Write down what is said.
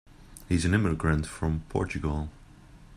He's an immigrant from Portugal.